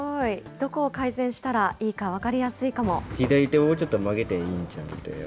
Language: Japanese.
どこを改善したらいいか分かりやすいかも。